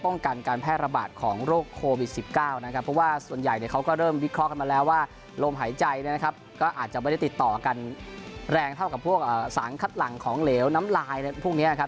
เนี่ยแร้งเท่ากันพวกสารคัดหลังของเหลวน้ำลายพวกนี้นะครับ